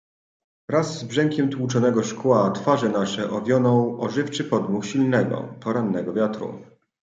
"Wraz z brzękiem tłuczonego szkła twarze nasze owionął ożywczy podmuch silnego, porannego wiatru."